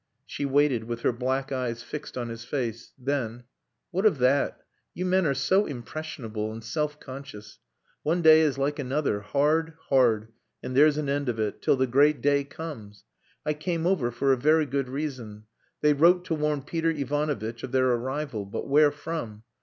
She waited, with her black eyes fixed on his face. Then "What of that? You men are so impressionable and self conscious. One day is like another, hard, hard and there's an end of it, till the great day comes. I came over for a very good reason. They wrote to warn Peter Ivanovitch of their arrival. But where from?